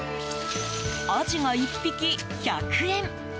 アジが１匹１００円